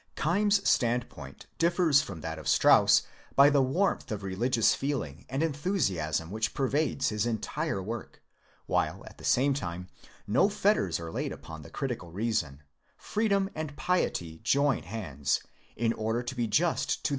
Keim's standpoint differs from that of Strauss by the warmth of religious feeling and enthusiasm which pervades his entire work, while at the same time no fetters are laid upon the critical reason; freedom and piety join hands, in order to be just to the XXIV INTRODUCTION.